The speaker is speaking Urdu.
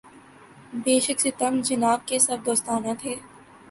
بے شک ستم جناب کے سب دوستانہ تھے